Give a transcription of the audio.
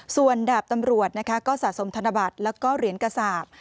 ส่วนดาบตำรวจนะคะก็สะสมธนบัตรแล้วก็เหรียญกระสาป